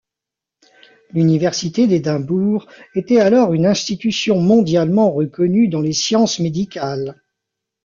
L'Université d'Édimbourg était alors une institution mondialement reconnue dans les sciences médicales.